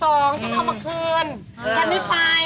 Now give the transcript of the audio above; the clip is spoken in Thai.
ฉันเอามาคืนฉันไม่ไป